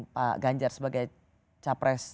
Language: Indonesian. pak ganjar sebagai capres